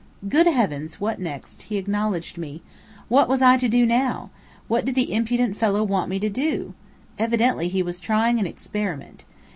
Good heavens! What next? He acknowledged me! What was I to do now? What did the impudent fellow want me to do? Evidently he was trying an experiment.